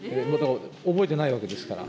覚えてないわけですから。